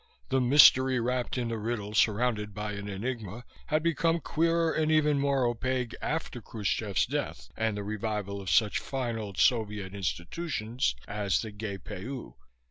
The "mystery wrapped in a riddle surrounded by an enigma" had become queerer and even more opaque after Kruschchev's death and the revival of such fine old Soviet institutions as the Gay Pay Oo.